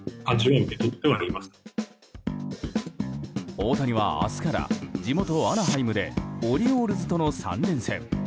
大谷は明日から地元アナハイムでオリオールズとの３連戦。